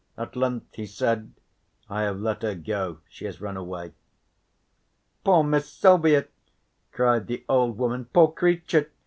At length he said: "I have let her go. She has run away." "Poor Miss Silvia!" cried the old woman, "Poor creature!